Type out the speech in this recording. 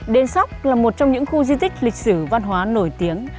đền sóc là một trong những khu di tích lịch sử văn hóa nổi tiếng